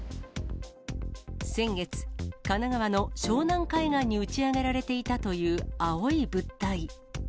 先月、神奈川の湘南海岸に打ち上げられていたという青い物体。